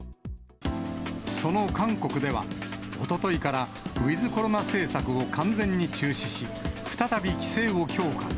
その韓国では、おとといからウィズコロナ政策を完全に中止し、再び規制を強化。